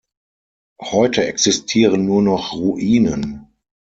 Heute existieren nur noch Ruinen.